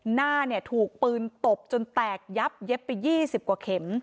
หน้าเนี่ยถูกปืนตบจนแตกยับเย็บไป๒๐กว่าเข็ม